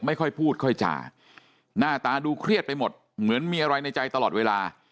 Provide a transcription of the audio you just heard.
ไม่ค่อยพูดค่อยจ่าหน้าตาดูเครียดไปหมดเหมือนมีอะไรในใจตลอดเวลา